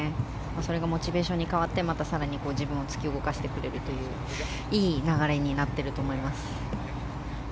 それがモチベーションに変わって更に自分を突き動かしてくれるといういい流れになっていると思います。